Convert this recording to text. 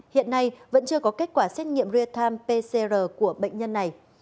hiện nay vẫn chưa có kết quả xét nghiệm real time pcr của bệnh nhân này